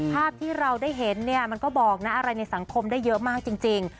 ภาพที่เราได้เห็นเนี่ยมันก็บอกนะอะไรในสังคมได้เยอะมากจริง